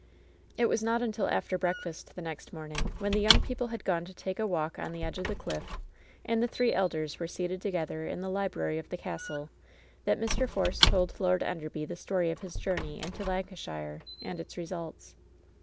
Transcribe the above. It was not until after breakfast the next morning, when the young people had gone to take a walk on the edge of the cliff, and the three elders were seated to gether in the library of the castle, that Mr. Force told Lord Enderby the story of his journey into Lancashire, and its results.